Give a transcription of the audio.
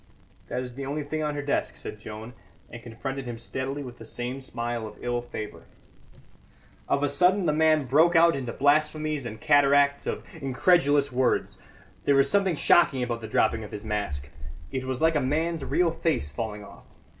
"That is the only thing on her desk," said Joan, and confronted him steadily with the same smile of evil favour. Of a sudden the man broke out into blasphemies and cataracts of incredulous words. There was something shocking about the dropping of his mask; it was like a man's real face falling off.